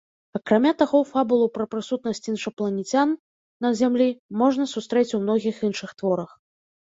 Акрамя таго, фабулу пра прысутнасць іншапланецян на зямлі можна сустрэць у многіх іншых творах.